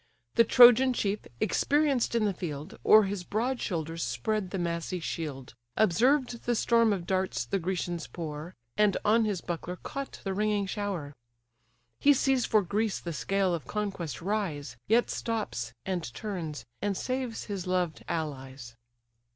The Trojan chief, experienced in the field, O'er his broad shoulders spread the massy shield, Observed the storm of darts the Grecians pour, And on his buckler caught the ringing shower: He sees for Greece the scale of conquest rise, Yet stops, and turns, and saves his loved allies.